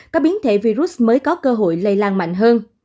các biến thể virus mới có cơ hội lây lan mạnh hơn